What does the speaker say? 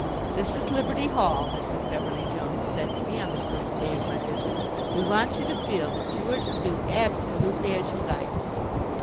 "This is Liberty Hall," Mrs. Beverly Jones said to me on the first day of my visit. "We want you to feel that you are to do absolutely as you like!"